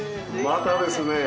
またですね